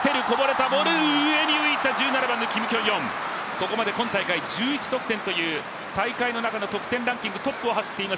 ここまで今大会１１得点という、大会の中の得点ランキング、トップを走っています